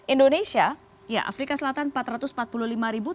indonesia afrika selatan empat ratus empat puluh lima ribu